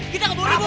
kita gak boleh bu